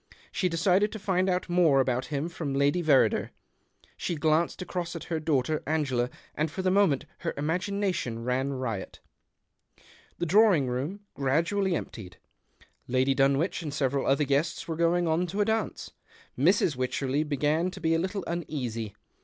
She decided to find out more about him from Lady Verrider. She glanced across at her daughter Angela, and for the moment her imagination ran riot. The drawing room gradually emptied. Lady Dunwich and several other guests were going on to a dance. Mrs. Wycherley began to be a little uneasy.